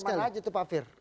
kawasan mana aja tuh pak fir